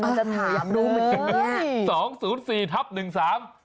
เนี่ยกำลังจะถามเลย